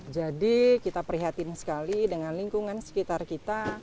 jadi kita perhatikan sekali dengan lingkungan sekitar kita